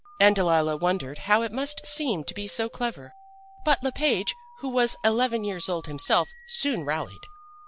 "And Delilah wondered how it must seem to be so very clever. "But Le Page, who was eleven years old himself, soon rallied.